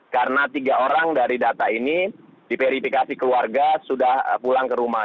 karena tiga orang dari data ini diverifikasi keluarga sudah pulang ke rumah